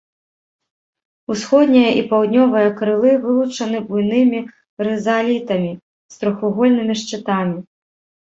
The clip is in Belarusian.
Усходняе і паўднёвае крылы вылучаны буйнымі рызалітамі з трохвугольнымі шчытамі.